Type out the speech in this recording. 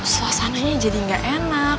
suasananya jadi gak enak